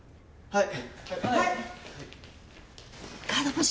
はい。